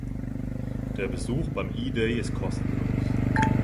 Der Besuch beim E-Day ist kostenlos.